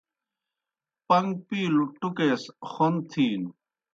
پن٘گ پِیلوْ ٹُکے سہ خوْن تِھینوْ۔